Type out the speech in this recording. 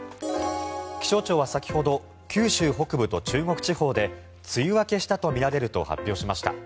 気象庁は先ほど九州北部と中国地方で梅雨明けしたとみられると発表しました。